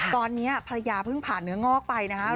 ตอนนี้ภรรยาเพิ่งผ่านเนื้องอกไปนะครับ